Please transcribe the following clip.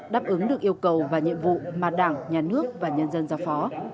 đáp ứng được yêu cầu và nhiệm vụ mà đảng nhà nước và nhân dân giao phó